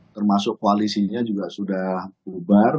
termasuk koalisinya juga sudah bubar